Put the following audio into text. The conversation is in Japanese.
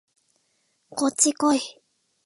こっちこい